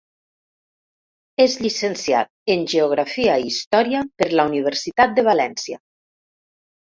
És llicenciat en Geografia i Història per la Universitat de València.